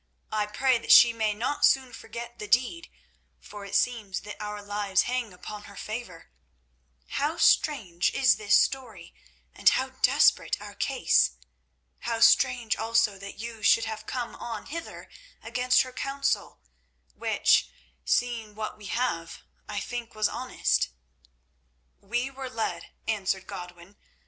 I pray that she may not soon forget the deed, for it seems that our lives hang upon her favour. How strange is this story, and how desperate our case! How strange also that you should have come on hither against her counsel, which, seeing what we have, I think was honest?" "We were led," answered Godwin.